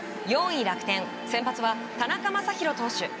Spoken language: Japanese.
４位、楽天先発は田中将大投手。